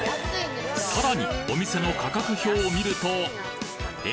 さらにお店の価格表を見るとえ？